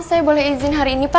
saya kandungnya rena